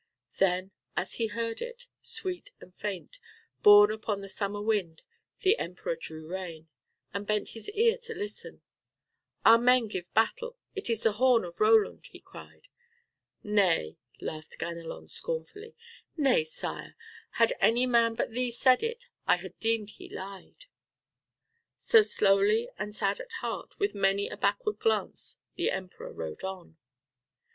Then as he heard it, sweet and faint, borne upon the summer wind, the Emperor drew rein, and bent his ear to listen. "Our men give battle; it is the horn of Roland," he cried. "Nay," laughed Ganelon scornfully, "nay, Sire, had any man but thee said it I had deemed he lied." So slowly and sad at heart, with many a backward glance, the Emperor rode on.